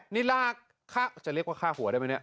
นี่รากค่าจะเรียกว่าค่าหัวได้มั้ยเนี่ย